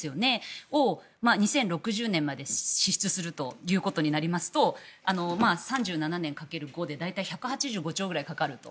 それを２０６０年まで支出することになりますと３７年掛ける５で１７５兆円ぐらいかかると。